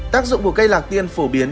tác dụng của cây lạc tiên phổ biến